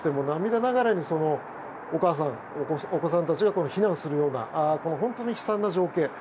涙ながらにお母さん、お子さんたちが避難するような本当に悲惨な情景